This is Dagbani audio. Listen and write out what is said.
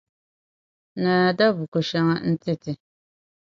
Naa da buku shɛŋa n-ti ti.